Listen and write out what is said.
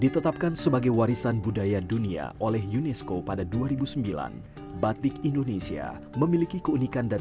ketika batik menjadi sebuah kebudayaan batik menjadi sebuah kebudayaan